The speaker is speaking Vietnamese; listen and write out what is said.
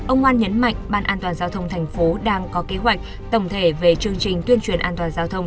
ông hoan nhấn mạnh ban an toàn giao thông thành phố đang có kế hoạch tổng thể về chương trình tuyên truyền an toàn giao thông